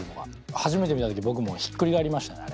初めて見た時僕もひっくり返りましたねあれ。